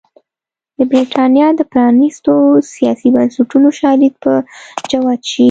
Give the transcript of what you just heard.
د برېټانیا د پرانېستو سیاسي بنسټونو شالید به جوت شي.